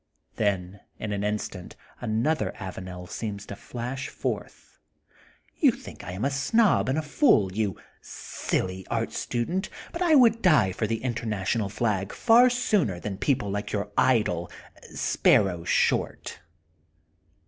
'' Then, in an instant, another Avanel seems to flash forth. ^'You think I am a snob and a f dol, you silly art student, but I would die for the International Flag far sooner than people like your idol Sparrow Short.